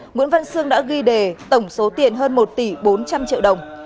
nguyễn văn sương đã ghi đề tổng số tiền hơn một tỷ bốn trăm linh triệu đồng